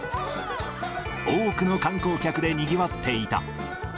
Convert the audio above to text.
多くの観光客でにぎわっていた。